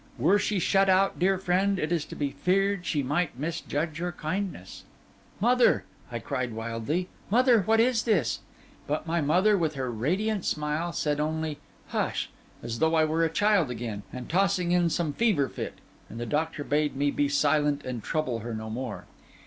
Were she shut out, dear friend, it is to be feared she might misjudge your kindness.' 'Mother,' I cried wildly, 'mother, what is this?' But my mother, with her radiant smile, said only 'Hush!' as though I were a child again, and tossing in some fever fit; and the doctor bade me be silent and trouble her no more.